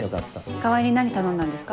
川合に何頼んだんですか？